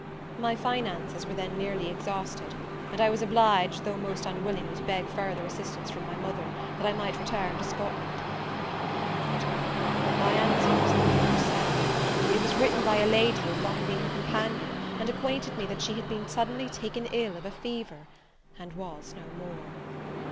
My finances were then nearly exhausted; and I was obliged, though most unwillingly, to beg further assistance from my mother, that I might return to Scotland. Oh, Madam! my answer was not from herself; it was written by a lady who had long been her companion, and aquainted me that she had been taken suddenly ill of a fever, and was no more!